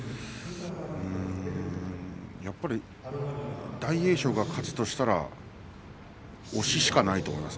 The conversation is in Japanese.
やっぱり大栄翔が勝つとしたら押ししかないと思います。